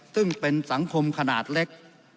ซึ่งเป็นสังคมขนาดเล็ก